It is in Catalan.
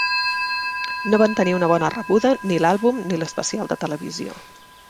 No van tenir una bona rebuda ni l'àlbum ni l'especial de televisió.